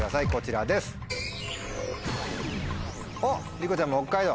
りこちゃんも「北海道」。